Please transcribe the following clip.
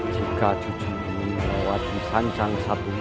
jika cucu ini melewati sanjang satu